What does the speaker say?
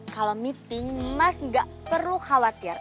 kalau meeting mas nggak perlu khawatir